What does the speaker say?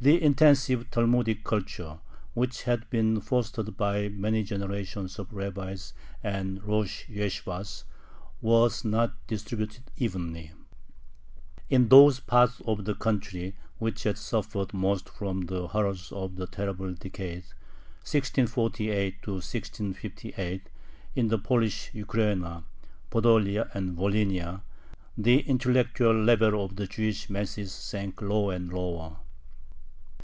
The intensive Talmudic culture, which had been fostered by many generations of rabbis and rosh yeshibahs was not distributed evenly. In those parts of the country which had suffered most from the horrors of the "terrible decade" (1648 1658), in the Polish Ukraina, Podolia, and Volhynia, the intellectual level of the Jewish masses sank lower and lower.